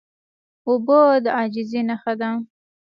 اوبه د عاجزۍ نښه ده.